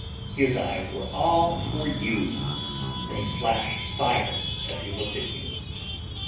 His eyes were all for YOU! They flashed fire as he looked at you."